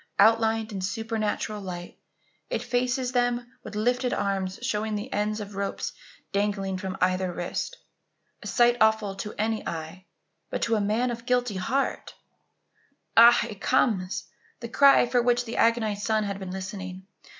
Outlined in supernatural light, it faces them with lifted arms showing the ends of rope dangling from either wrist. A sight awful to any eye, but to the man of guilty heart Ah! it comes the cry for which the agonized son had been listening!